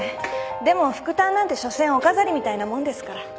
でも副担なんてしょせんお飾りみたいなもんですから。